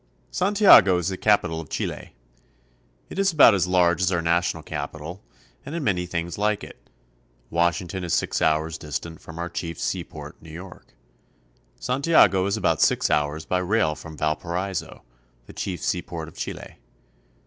SANTIAGO (san fi a go) is the capital of Chile. It is about as large as our national capital, and in. many things like it. Washington is six hours distant fro'^fi our chief seaport, New York. Santiago is about six hours by rail from Valparaiso, the chief seaport of Chile.